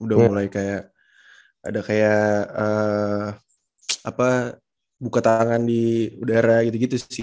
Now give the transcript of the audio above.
udah mulai kayak ada kayak buka tangan di udara gitu gitu sih